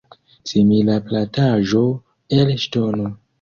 Simila plataĵo el ŝtono.